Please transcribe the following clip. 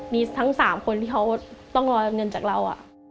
มีทั้ง๓คนที่เขาต้องรอเงินจากเรา